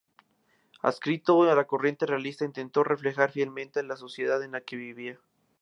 Adscrito a la corriente realista, intentó reflejar fielmente la sociedad en la que vivía.